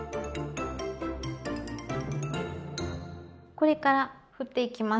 これからふっていきます。